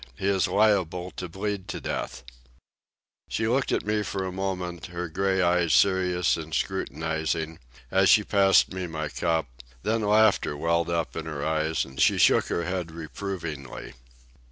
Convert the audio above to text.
He is liable to bleed to death." She looked at me for a moment, her gray eyes serious and scrutinizing, as she passed me my cup; then laughter welled up in her eyes, and she shook her head reprovingly.